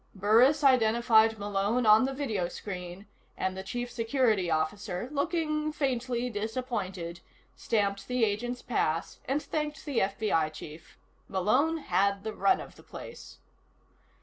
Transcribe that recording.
Burris identified Malone on the video screen and the Chief Security Officer, looking faintly disappointed, stamped the agent's pass and thanked the FBI chief. Malone had the run of the place.